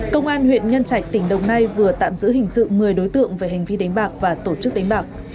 công an huyện nhân trạch tỉnh đồng nai vừa tạm giữ hình sự một mươi đối tượng về hành vi đánh bạc và tổ chức đánh bạc